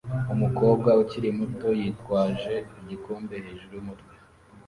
Umukobwa ukiri muto yitwaje igikombe hejuru yumutwe